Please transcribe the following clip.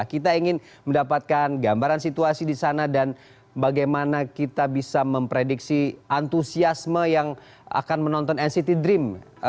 kita ingin mendapatkan gambaran situasi di sana dan bagaimana kita bisa memprediksi antusiasme yang akan menonton nct dream